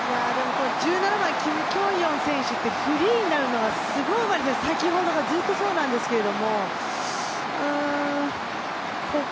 １７番・キム・キョンヨン選手って、フリーになるのがすごいうまいんです、先ほどからずっとそうなんですけど。